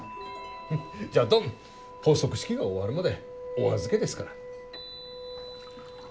じゃっどん発足式が終わるまでお預けですから。